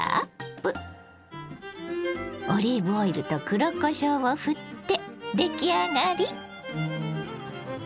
オリーブオイルと黒こしょうをふって出来上がり。